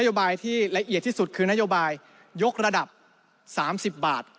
โนโลยีที่ละเอียดที่สุดคือโนโลยียกระดับ๓๐บาท